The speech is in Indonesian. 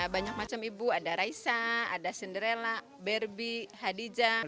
banyak macam ibu ada raisa cinderella barbie hadija